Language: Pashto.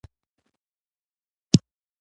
د خداى ذکر وکه چې زړه له دې سکون رايشي.